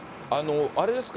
あれですか？